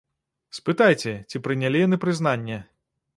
Спытайце, ці прынялі яны прызнанне.